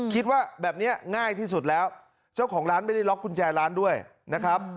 คิดว่าแบบนี้ง่ายที่สุดแล้วเจ้าของร้านไม่ได้ล็อกกุญแจร้านด้วยนะครับ